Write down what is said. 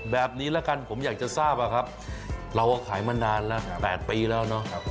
แบบนี้ละกันผมอยากจะทราบอะครับเราขายมานานแล้ว๘ปีแล้วเนาะ